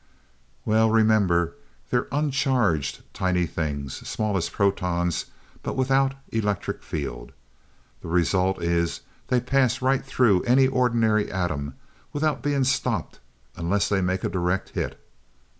"Well, remember they're uncharged, tiny things. Small as protons, but without electric field. The result is they pass right through an ordinary atom without being stopped unless they make a direct hit.